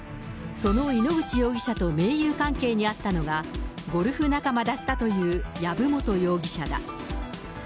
その井ノ口容疑者と盟友関係にあったのが、ゴルフ仲間だったという籔本容疑者だ。